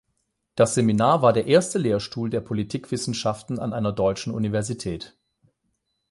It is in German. Das Seminar war der erste Lehrstuhl der Politikwissenschaften an einer deutschen Universität.